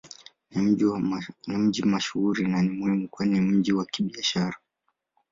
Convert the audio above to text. Ni mji mashuhuri na ni muhimu kwani ni mji wa Kibiashara.